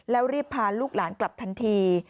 แล้วรีบพาลูกหลานกลับทันที